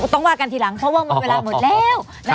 ต้องว่ากันทีหลังเพราะว่าเวลาหมดแล้ว